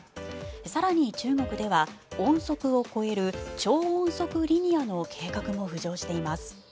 更に中国では音速を超える超音速リニアの計画も浮上しています。